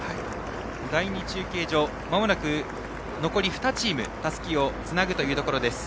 第２中継所、残り２チームたすきをつなぐところです。